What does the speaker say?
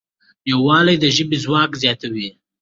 یووالی د ژبې ځواک زیاتوي.